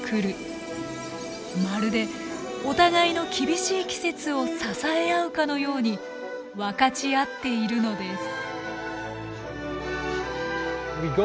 まるでお互いの厳しい季節を支え合うかのように分かち合っているのです。